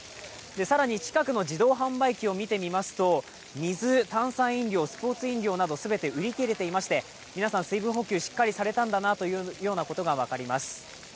更に近くの自動販売機を見てみますと、水、炭酸飲料、スポーツ飲料など全て売り切れていまして、皆さん、水分補給しっかりされたんだなということが分かります。